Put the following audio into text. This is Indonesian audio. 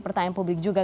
pertanyaan publik juga